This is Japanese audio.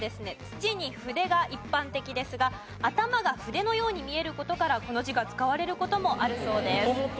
「土」に「筆」が一般的ですが頭が筆のように見える事からこの字が使われる事もあるそうです。